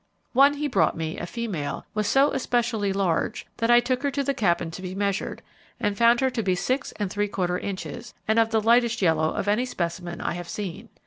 One he brought me, a female, was so especially large that I took her to the Cabin to be measured, and found her to be six and three quarter inches, and of the lightest yellow of any specimen I have seen.